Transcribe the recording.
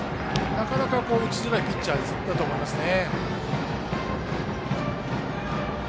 なかなか打ちづらいピッチャーだと思いますね。